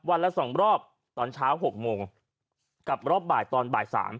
วันละสองรอบตอนเช้าหกโมงกลับรอบบ่ายตอนบ่ายสาม